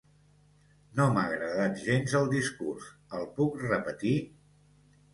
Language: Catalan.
No m'ha agradat gens el discurs, el puc repetir?